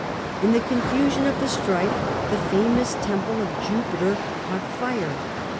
In the confusion of the strife the famous temple of Jupiter caught fire.